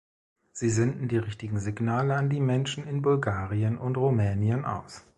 Sie senden die richtigen Signale an die Menschen in Bulgarien und Rumänien aus.